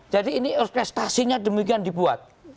jadi ini prestasinya demikian dibuat